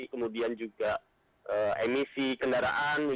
kemudian juga emisi kendaraan